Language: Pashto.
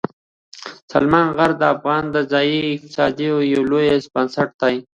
سلیمان غر د افغانستان د ځایي اقتصادونو یو لوی بنسټ دی.